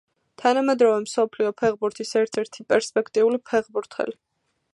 თანამედროვე მსოფლიო ფეხბურთის ერთ-ერთი პერსპექტიული ფეხბურთელი.